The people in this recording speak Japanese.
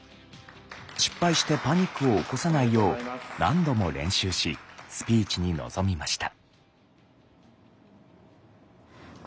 失敗してパニックを起こさないよう何度も練習しスピーチに臨みました。